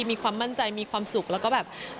มีความมั่นใจมีความสุขแล้วก็แบบ